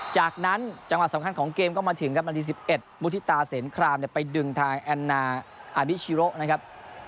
จากนั้นจังหวะสำคัญของเกมก็มาถึงครับนาที๑๑มุฒิตาเสนครามไปดึงทางแอนนาอาบิชิโรนะครับ